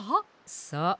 そう。